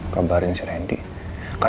yang ini ya